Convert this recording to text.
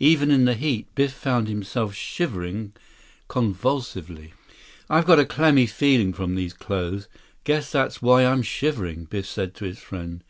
Even in the heat, Biff found himself shivering convulsively. "I've got a clammy feeling from these clothes. Guess that's why I'm shivering," Biff said to his friend.